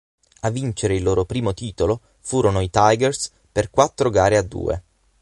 A vincere il loro primo titolo furono i Tigers per quattro gare a due.